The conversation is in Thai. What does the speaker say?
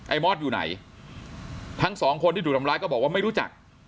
มอสอยู่ไหนทั้งสองคนที่ถูกทำร้ายก็บอกว่าไม่รู้จัก